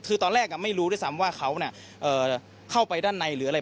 คือตอนแรกไม่รู้ด้วยซ้ำว่าเขาเข้าไปด้านในหรืออะไร